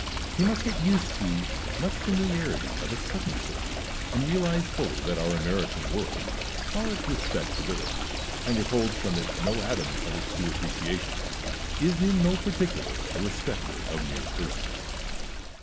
He must get used to much familiarity of a sudden sort, and realize fully that our American world, while it respects ability, and withholds from it no atom of its due appreciation, is in no particular a respecter of mere persons.